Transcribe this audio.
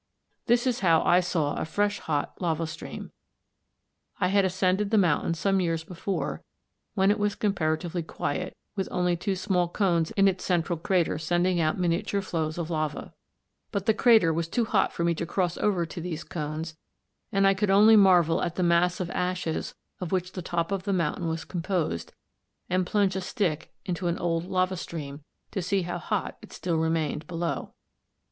This is how I saw a fresh red hot lava stream. I had ascended the mountain some years before, when it was comparatively quiet, with only two small cones in its central crater sending out miniature flows of lava (see Fig. 38). But the crater was too hot for me to cross over to these cones, and I could only marvel at the mass of ashes of which the top of the mountain was composed, and plunge a stick into an old lava stream to see how hot it still remained below.